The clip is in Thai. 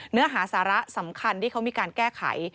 เนื้อหาสาระสำคัญที่เขามีการแก้ไข